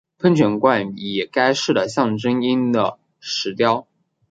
喷泉冠以该市的象征鹰的石雕。